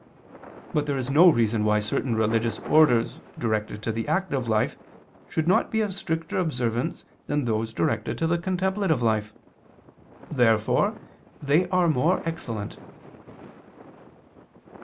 But there is no reason why certain religious orders directed to the active life should not be of stricter observance than those directed to the contemplative life. Therefore they are more excellent.